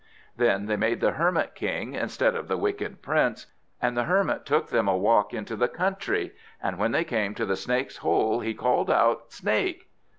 Then they made the Hermit King instead of the Wicked Prince. And the Hermit took them a walk into the country, and when they came to the Snake's hole he called out "Snake!"